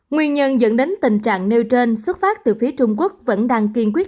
nguyên nhân dẫn đến tình trạng nêu trên xuất phát từ phía trung quốc vẫn đang kiên quyết